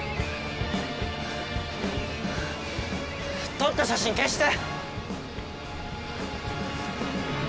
撮った写真消して！